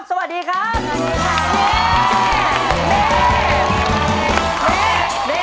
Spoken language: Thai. สวัสดีครับ